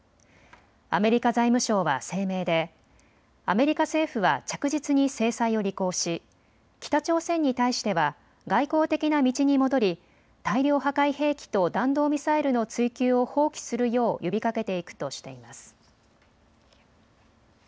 アメリカ財務省は声明でアメリカ政府は着実に制裁を履行し北朝鮮に対しては外交的な道に戻り大量破壊兵器と弾道ミサイルの追求を放棄するよう呼びかけていくとしています。